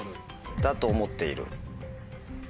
だと思っている。